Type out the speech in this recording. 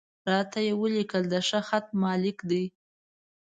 را ته یې ولیکه، د ښه خط مالک دی.